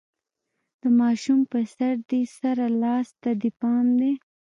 د ماشوم په سر، دې سره لاس ته دې پام دی؟